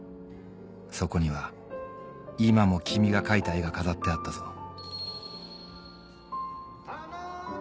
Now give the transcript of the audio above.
そこには今も君が描いた絵が飾ってあったぞ。